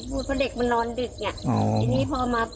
พูดเพราะเด็กมานอนดึกอ่ะ